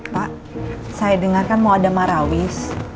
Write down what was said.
pak saya dengarkan mau ada marawis